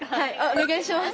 お願いします。